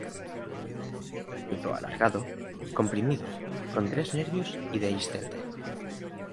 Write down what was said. Fruto alargado, comprimido, con tres nervios y dehiscente.